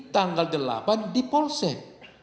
tanggal delapan di polsek